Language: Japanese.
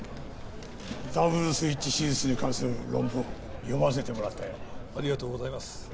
ダブルスイッチ手術に関する論文読ませてもらったよありがとうございます